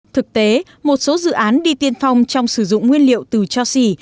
thực tế một số dự án đi tiên phong trong sử dụng nguyên liệu từ cho xỉ